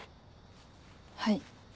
はい。